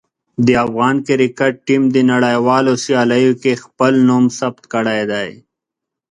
د افغان کرکټ ټیم د نړیوالو سیالیو کې خپل نوم ثبت کړی دی.